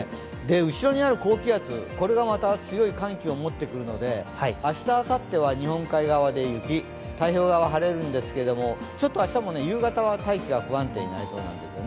後ろにある高気圧が強い寒気を持ってくるので明日あさっては日本海側で雪、太平洋側は晴れるんですけど、明日も夕方は大気が不安定になりそうなんですよね。